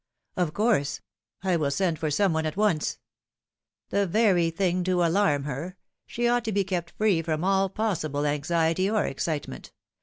" Of course. I will send for some one at once." " The very thing to alarm her. She ought to be kept free from all possible anxiety or excitement.